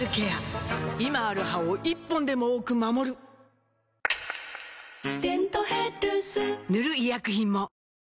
今ある歯を１本でも多く守る「デントヘルス」塗る医薬品も